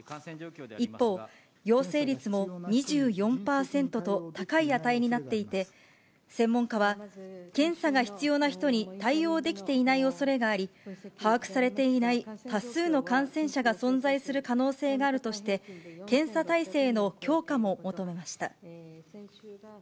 一方、陽性率も２４％と高い値になっていて、専門家は、検査が必要な人に対応できていないおそれがあり、把握されていない多数の感染者が存在する可能性があるとして、検査体制の強化も求めました。